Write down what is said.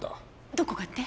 どこかって？